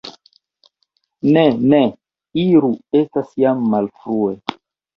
Ne, ne iru, estas jam malfrue.